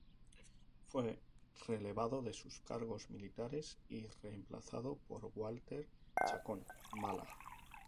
Fue relevado de sus cargos militares y reemplazado por Walter Chacón Málaga.